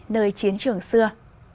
nơi chiến trường xưa